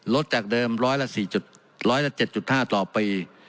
ลดจากเดิมร้อยละสี่จุดร้อยละเจ็ดจุดห้าต่อไป